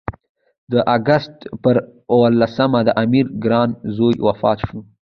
د اګست پر اووه لسمه د امیر ګران زوی وفات شو.